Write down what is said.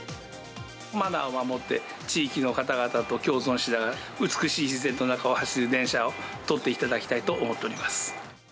マナーを守って、地域の方々と共存しながら、美しい自然の中を走る電車を撮っていただきたいと思っております。